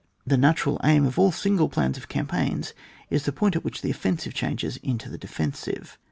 The natural aim of all single plans of campaigns is the point at which the offensive changes into the defensive.